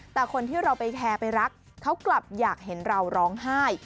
แต่คนที่เราไปแฮไปรักเขากลับอยากเห็นเราร้องไห้